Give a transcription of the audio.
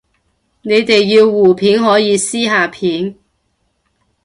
你哋要互片可以私下片